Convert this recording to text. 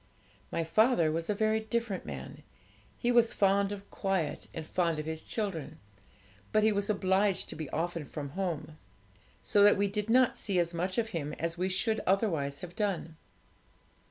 'My father was a very different man; he was fond of quiet, and fond of his children; but he was obliged to be often from home, so that we did not see as much of him as we should otherwise have done.